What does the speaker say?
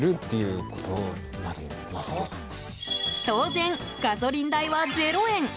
当然、ガソリン代は０円。